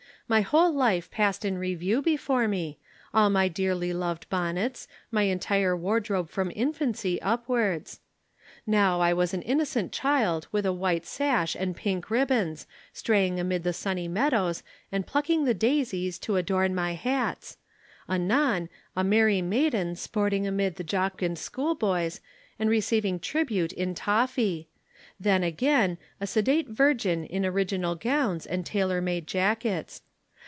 My whole life passed in review before me, all my dearly loved bonnets, my entire wardrobe from infancy upwards. Now I was an innocent child with a white sash and pink ribbons, straying amid the sunny meadows and plucking the daisies to adorn my hats; anon a merry maiden sporting amid the jocund schoolboys and receiving tribute in toffy; then again a sedate virgin in original gowns and tailor made jackets.